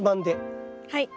はい。